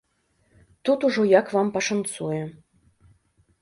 Тут ужо як вам пашанцуе.